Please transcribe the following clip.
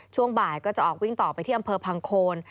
ช่วงบ่ายก็จะออกวิ่งต่อไปที่อำเภอพังโคน